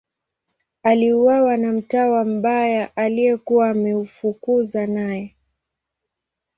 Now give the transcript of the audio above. Aliuawa na mtawa mbaya aliyekuwa ameafukuzwa naye.